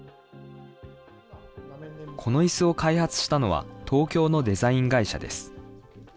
このいすを開発したのは、東京のデザイン会社です。